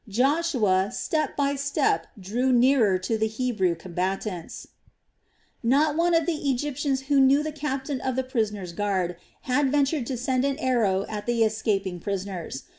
Joshua step by step drew nearer to the Hebrew combatants. Not one of the Egyptians who knew the captain of the prisoners' guard had ventured to send an arrow at the escaping prisoners.